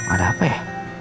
ada apa ya